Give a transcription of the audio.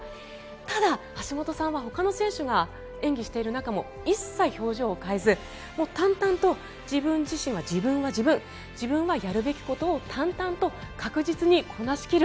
ただ、橋本さんはほかの選手が演技している中でも一切表情を変えず淡々と自分自身が自分は自分自分がやるべきことを淡々と確実にこなし切る。